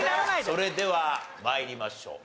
それでは参りましょう。